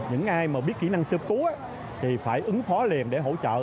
những ai biết kỹ năng sơ cấp cứu thì phải ứng phó liền để hỗ trợ